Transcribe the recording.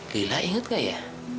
lila inget gak ya